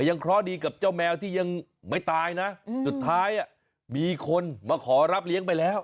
เคราะห์ดีกับเจ้าแมวที่ยังไม่ตายนะสุดท้ายมีคนมาขอรับเลี้ยงไปแล้ว